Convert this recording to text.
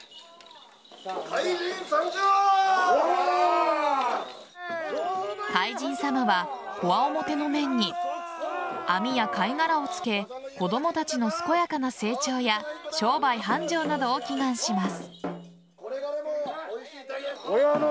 海神様は、こわおもての面に網や貝殻をつけ子供たちの健やかな成長や商売繁盛などを祈願します。